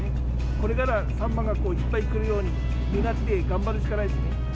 これからサンマがいっぱい来るように、願って頑張るしかないですね。